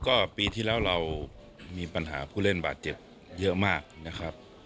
ก็ปีที่แล้วเรามีปัญหาผู้เล่นบาดเจ็บเยอะมากนะครับ